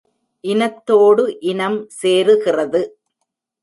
இனத்தோடு இனம் சேருகிறது!